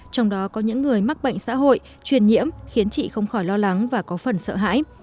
trong đó có những người mắc bệnh xã hội truyền nhiễm khiến chị không khỏi lo lắng và có phần sợ hãi